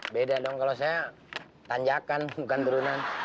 beda dong kalau saya tanjakan bukan turunan